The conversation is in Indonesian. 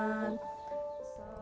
pengguna mereka juga menangkap pengguna